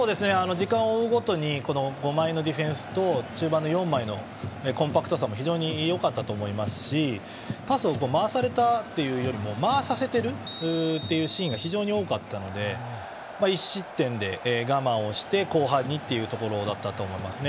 時間を追うごとにディフェンスと中盤の４枚のコンパクトさも非常によかったと思いますしパスを回されたというよりも回させてるというシーンが非常に多かったので１失点で我慢をして後半にというところだったと思いますね。